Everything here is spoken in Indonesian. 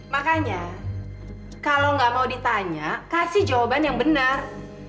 makanya kalau nggak mau ditanya kasih jawaban yang benar